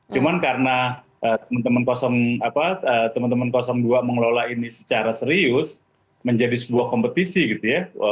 cuma karena teman teman dua mengelola ini secara serius menjadi sebuah kompetisi gitu ya